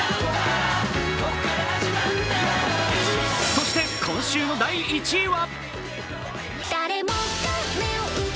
そして今週の第１位は？